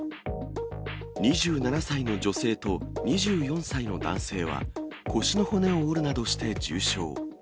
２７歳の女性と２４歳の男性は、腰の骨を折るなどして重傷。